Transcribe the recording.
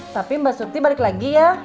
tapi mbak sunti balik lagi ya